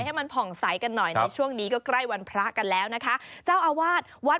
ให้มันผ่องใสกันหน่อยในช่วงนี้ก็ใกล้วันพระกันแล้วนะคะเจ้าอาวาสวัด